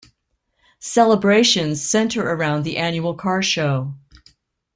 Celebrations center around the annual car show.